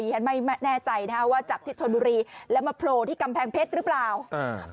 ฉันไม่แน่ใจนะฮะว่าจับที่ชนบุรีแล้วมาโผล่ที่กำแพงเพชรหรือเปล่าอ่า